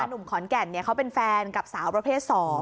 หนุ่มขอนแก่นเขาเป็นแฟนกับสาวประเภท๒